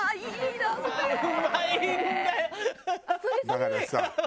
だからさ